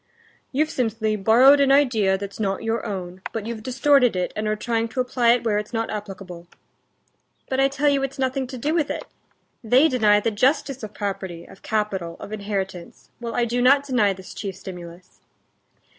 "You've simply borrowed an idea that's not your own, but you've distorted it, and are trying to apply it where it's not applicable." "But I tell you it's nothing to do with it. They deny the justice of property, of capital, of inheritance, while I do not deny this chief stimulus."